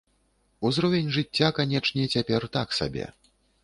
Узровень жыцця, канечне, цяпер так сабе.